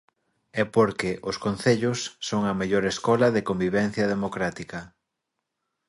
E porque, os concellos, son a mellor escola de convivencia democrática.